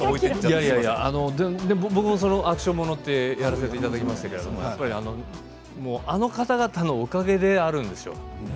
僕もアクションものをやらせていただきましたけれどあの方々のおかげであるんですよ